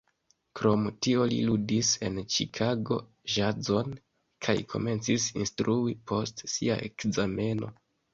Krom tio li ludis en Ĉikago ĵazon kaj komencis instrui post sia ekzameno.